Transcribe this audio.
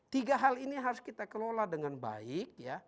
tiga hal ini harus kita kelola dengan baik